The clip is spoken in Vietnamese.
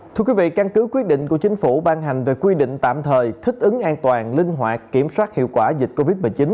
thưa quý vị căn cứ quyết định của chính phủ ban hành về quy định tạm thời thích ứng an toàn linh hoạt kiểm soát hiệu quả dịch covid một mươi chín